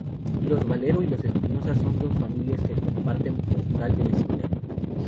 Los Valero y los Espinosa son dos familias que comparten portal de vecindario.